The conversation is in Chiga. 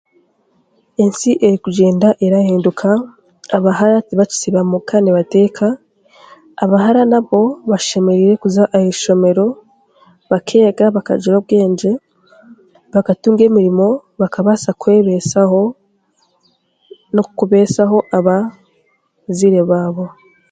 Ensi erikugyenda erahinduka, abahara tibaakisiiba omuka nibateeka abahara nabwo bashemereire kuza aha ishomero bakeega bakagira obwengye bakatunga emirimo bakabaasa kwebeesaho n'okubeesaho aba zaire baabo